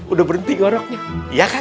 udah berhenti ngoroknya